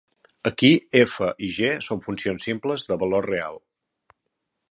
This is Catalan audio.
Aquí "f" i "g" són funcions simples de valor real.